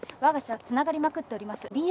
わが社はつながりまくっております。